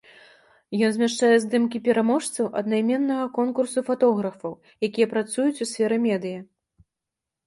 Ён змяшчае здымкі пераможцаў аднайменнага конкурсу фатографаў, якія працуюць у сферы медыя.